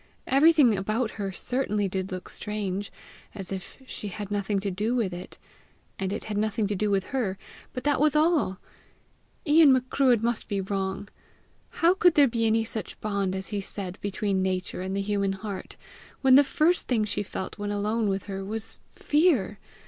Everything about her certainly did look strange, as if she had nothing to do with it, and it had nothing to do with her; but that was all! Ian Macruadh must be wrong! How could there be any such bond as he said between Nature and the human heart, when the first thing she felt when alone with her, was fear!